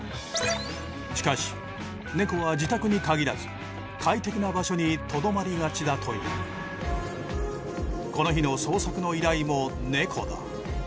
しかし猫は自宅に限らず快適な場所に留まりがちだというこの日の捜索の依頼も猫だ